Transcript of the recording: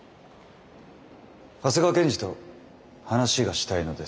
長谷川検事と話がしたいのですが。